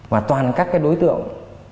và toàn các cái đối tượng